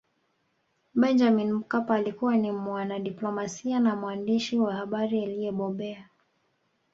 Benjamin Mkapa alikuwa ni mwanadiplomasia na mwandishi wa habari aliyebobea